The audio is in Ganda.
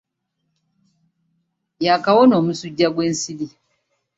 Yaakawona omusujja gw'ensiri.